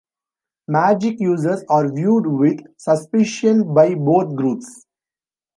Magic-users are viewed with suspicion by both groups.